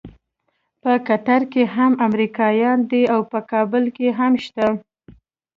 په قطر کې هم امریکایان دي او په کابل کې هم شته.